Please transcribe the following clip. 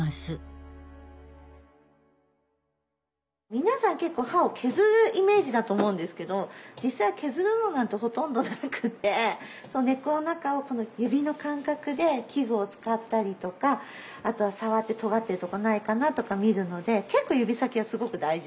皆さん結構歯を削るイメージだと思うんですけど実際は削るのなんてほとんどなくって根っこの中を指の感覚で器具を使ったりとかあとは触ってとがってるとこないかなとか見るので結構指先はすごく大事です。